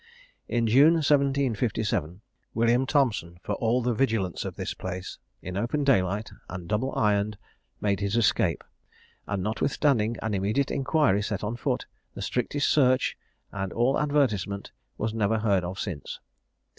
"In June 1757, William Thompson, for all the vigilance of this place, in open daylight and double ironed, made his escape, and, notwithstanding an immediate inquiry set on foot, the strictest search, and all advertisement, was never heard of since.